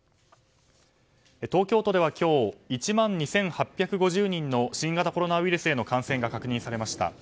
東京都では今日１万２８５０人の新型コロナウイルスへの感染が確認されました。